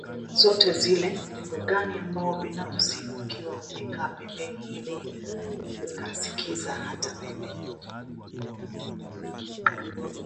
zote zile wimbo gani ambao binafsi ukiwa umekaa pembeni hivi ukausikiliza hata wewe